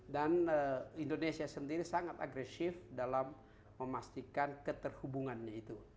dan indonesia sendiri sangat agresif dalam memastikan keterhubungannya itu